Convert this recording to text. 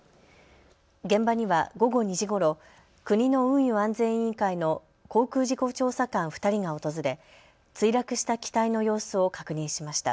現場には午後２時ごろ、国の運輸安全委員会の航空事故調査官２人が訪れ墜落した機体の様子を確認しました。